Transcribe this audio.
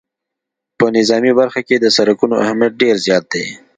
په نظامي برخه کې د سرکونو اهمیت ډېر زیات دی